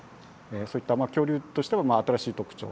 そういった恐竜としては新しい特徴。